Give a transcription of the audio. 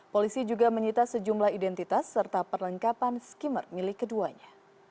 polisi juga menyita sejumlah identitas serta perlengkapan skimmer milik keduanya